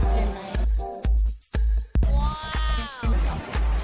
มีอะไรนะ